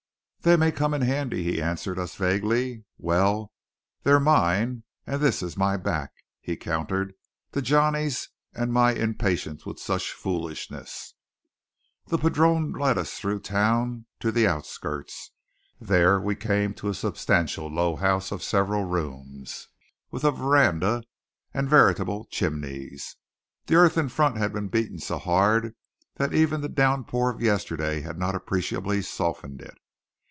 "They may come in handy," he answered us vaguely. "Well, they're mine, and this is my back," he countered to Johnny's and my impatience with such foolishness. The padrone led us through town to the outskirts. There we came to a substantial low house of several rooms, with a veranda and veritable chimneys. The earth in front had been beaten so hard that even the downpour of yesterday had not appreciably softened it.